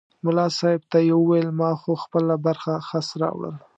ملا صاحب ته یې وویل ما خو خپله برخه خس راوړل.